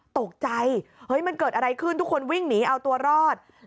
ตกใจเฮ้ยมันเกิดอะไรขึ้นทุกคนวิ่งหนีเอาตัวรอด